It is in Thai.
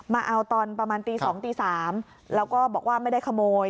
มาเอาตอนประมาณตี๒ตี๓แล้วก็บอกว่าไม่ได้ขโมย